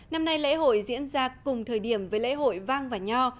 năm nay lễ hội diễn ra cùng thời điểm với lễ hội vang và nho